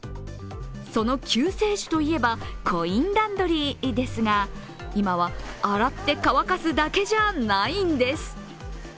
その救世主といえばコインランドリーですが、今は洗って乾かすだけじゃないんです。